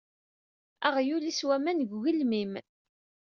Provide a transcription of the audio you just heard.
Aɣyul ueswa aman deg ugelmim.